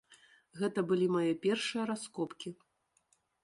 Гэта былі мае першыя раскопкі.